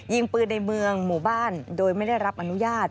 ยิงปืนในเมืองหมู่บ้านโดยไม่ได้รับอนุญาต